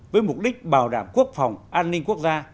với mục đích bảo đảm quốc phòng an ninh quốc gia